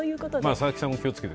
佐々木さんも気をつけて。